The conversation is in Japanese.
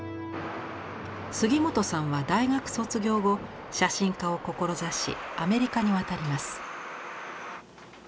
杉本さんは大学卒業後写真家を志しアメリカに渡ります。